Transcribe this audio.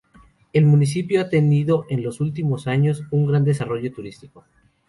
El municipio ha tenido en los últimos años un gran desarrollo turístico.